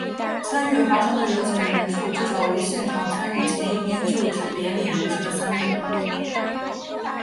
参与华盛顿游行的人数至少为现场参与前一天就职典礼的人数三倍。